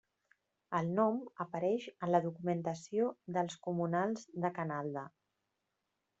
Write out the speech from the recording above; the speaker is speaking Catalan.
El nom apareix en la documentació dels comunals de Canalda.